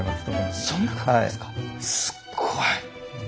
すっごい。